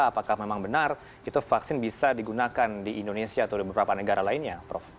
apakah memang benar itu vaksin bisa digunakan di indonesia atau di beberapa negara lainnya prof